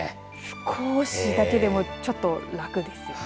少しだけでもちょっと楽ですね。